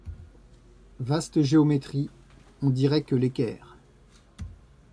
Vaste géométrie, on dirait que l’équerre ;